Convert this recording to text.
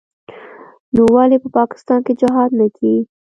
نو ولې په پاکستان کښې جهاد نه کيي.